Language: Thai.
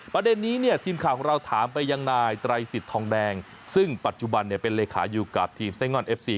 ประเด็นนี้ทีมข่าวของเราถามไปยังไหนไตรศิษฐ์ทองแดงซึ่งปัจจุบันเป็นเลขาอยู่กับทีมไซ่ง่อนเอฟซี